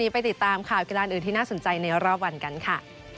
ไปติดตามข่าวกีฬาอื่นที่น่าสนใจในรอบวันกันค่ะ